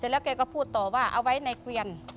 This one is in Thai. แล้วแกก็พูดต่อว่าเอาไว้ในเกวียน